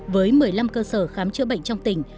với một mươi năm cơ sở khám chữa bệnh trong tỉnh